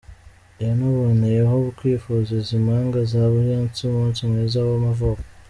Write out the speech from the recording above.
Yanaboneyeho kwifuriza izi mpanga za Beyonce umunsi mwiza w’amavuko.